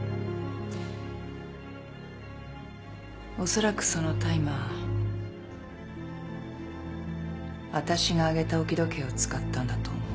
おそらくそのタイマーわたしがあげた置き時計を使ったんだと思う。